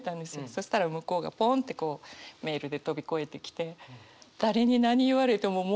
そしたら向こうがポンってこうメールで飛び越えてきて。